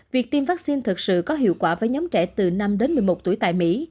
việc tiêm vaccine thật sự có hiệu quả với nhóm trẻ từ năm đến một mươi một tuổi tại mỹ